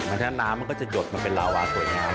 แล้วถ้าน้ำมันก็จะหยดมันเป็นลาวาถ่วยน้ำ